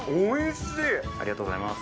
ありがとうございます。